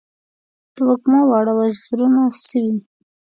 د وږمو واړه وزرونه سوی